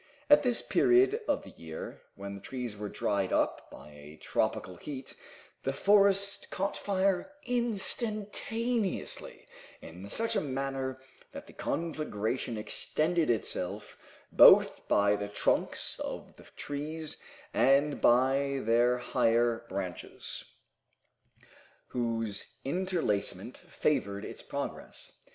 At this period of the year, when the trees were dried up by a tropical heat, the forest caught fire instantaneously, in such a manner that the conflagration extended itself both by the trunks of the trees and by their higher branches, whose interlacement favored its progress.